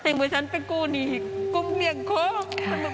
เมื่อฉันเป็นกูนี่กูเลี่ยงโค้ก